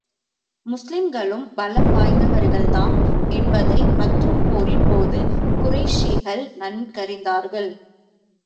முஸ்லிம்களும் பலம் வாய்ந்தவர்கள்தாம் என்பதைப் பத்ருப் போரின் போது குறைஷிகள் நன்கறிந்தார்கள்.